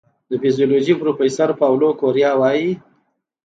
د فزیولوژي پروفېسور پاولو کوریا وايي